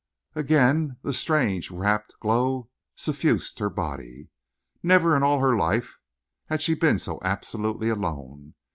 Again the strange, rapt glow suffused her body. Never in all her life had she been so absolutely alone.